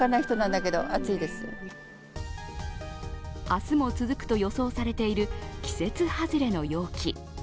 明日も続くと予想されている季節外れの陽気。